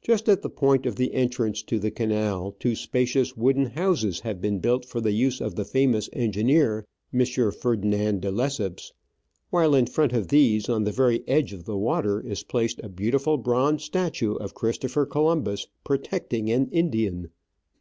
Just at the point of the entrance to the canal two spacious wooden houses have been built for the use of the famous engineer, M. Ferdinand de Lesseps, while in front of these, on the very edge of the water, is placed a beautiful bronze statue of Christopher Columbus protecting an Indian.